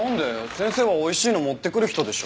先生はおいしいの持ってくる人でしょ。